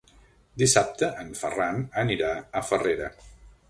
Dissabte en Ferran anirà a Farrera.